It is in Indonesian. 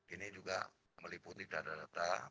ini juga meliputi data data